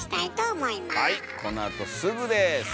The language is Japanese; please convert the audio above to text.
はいこのあとすぐです。